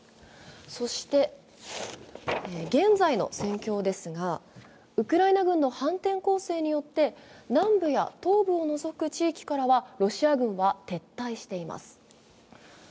そして現在の戦況ですがウクライナ軍の反転攻勢によって南部や東部を除く地域からはロシア軍は撤退しています。